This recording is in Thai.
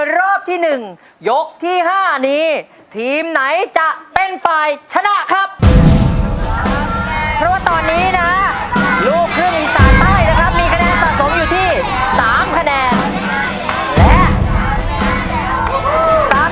รอบที่๑ยกที่๕ทีมที่ชนะคือทีม